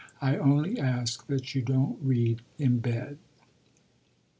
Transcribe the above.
I only ask that you don't read in bed."